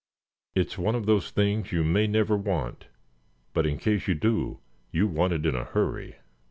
It's one of those things you may never want; but in case you do, you want it in a hurry."